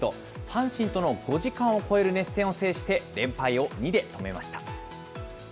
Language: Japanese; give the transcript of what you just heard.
阪神との５時間を超える熱戦を制して、連敗を２で止めました。